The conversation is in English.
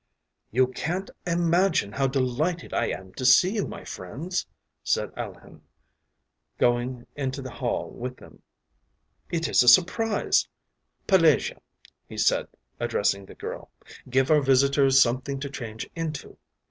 “You can’t imagine how delighted I am to see you, my friends,” said Alehin, going into the hall with them. “It is a surprise! Pelagea,” he said, addressing the girl, “give our visitors something to change into.